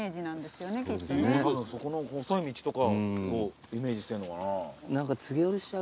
そこの細い道とかをイメージしてんのかな。